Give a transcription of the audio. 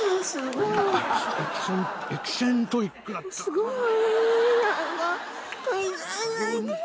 すごい！